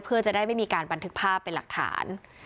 เพื่อจะได้ไม่มีการบันทึกภาพเป็นหลักฐาน